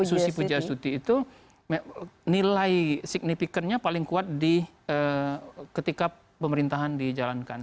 susi puji asyuti itu nilai signifikan nya paling kuat ketika pemerintahan dijalankan